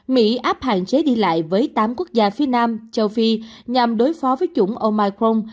mỹ áp hạn chế đi lại với tám quốc gia phía nam châu phi nhằm đối phó với chủng omicron